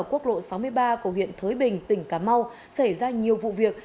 ở quốc lộ sáu mươi ba của huyện thới bình tỉnh cá mau xảy ra nhiều vụ việc